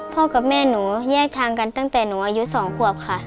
กับแม่หนูแยกทางกันตั้งแต่หนูอายุ๒ขวบค่ะ